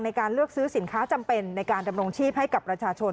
ในการเลือกซื้อสินค้าจำเป็นในการดำรงชีพให้กับประชาชน